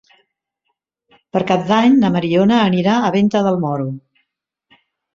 Per Cap d'Any na Mariona anirà a Venta del Moro.